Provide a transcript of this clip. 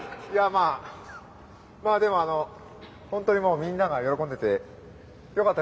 まあでもホントにもうみんなが喜んでてよかったです。